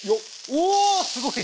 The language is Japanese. おおすごい！